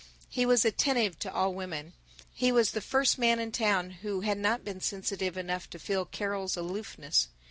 He was attentive to all women. He was the first man in town who had not been sensitive enough to feel Carol's aloofness.